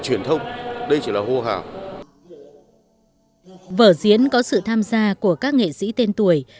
của các nghệ sĩ tên tuổi